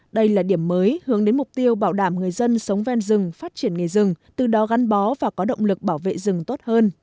đây là điểm mới hướng đến mục tiêu bảo đảm người dân sống ven rừng phát triển nghề rừng từ đó gắn bó và có động lực bảo vệ rừng tốt hơn